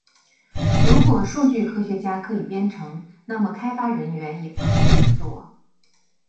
如果数据科学家可以编程，那么开发人员也可以做。